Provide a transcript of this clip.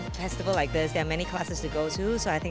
di festival seperti ini banyak kelas yang harus dilakukan